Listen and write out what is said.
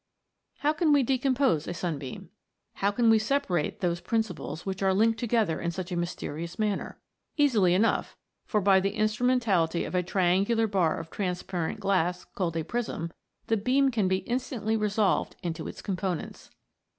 How can we decompose a sunbeam? How can we separate those principles which are linked to gether in such a mysterious manner? Easily enough, for by the instrumentality of a triangular bar of transparent glass, called a prism, the beam can be instantly resolved into its components.